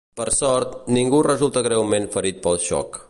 Per sort, ningú resulta greument ferit pel xoc.